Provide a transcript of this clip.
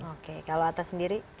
oke kalau atta sendiri